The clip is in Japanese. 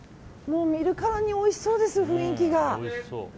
見るからにおいしそうです、雰囲気が。